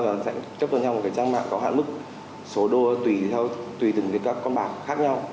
và sẽ cấp cho nhau một trang mạng có hạn mức số đô tùy từng con bạc khác nhau